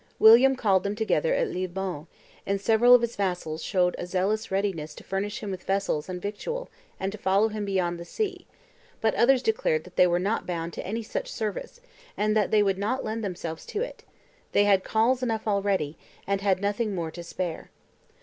William called them together at Lillebonne; and several of his vassals showed a zealous readiness to furnish him with vessels and victual and to follow him beyond the sea, but others declared that they were not bound to any such service, and that they would not lend themselves to it; they had calls enough already, and had nothing more to spare.